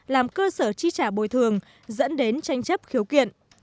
làm cơ sở chi trả bồi thường dẫn đến tranh chấp khiếu kiện